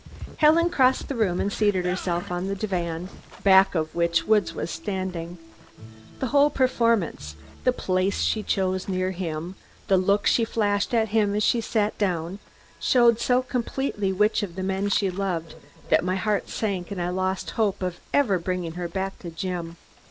Helen crossed the room and seated herself on the divan, back of which Woods was standing. The whole performance the place she chose near him, the look she flashed at him as she sat down, showed so completely which of the men she loved, that my heart sank and I lost hope of ever bringing her back to Jim.